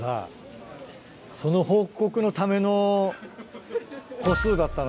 その報告のための歩数だったの？